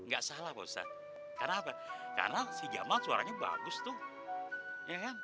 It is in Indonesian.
gak salah pak ustadz karena si jamal suaranya bagus tuh